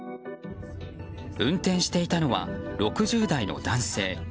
運転していたのは、６０代の男性。